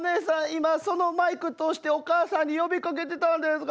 今そのマイク通してお母さんに呼びかけてたんですか？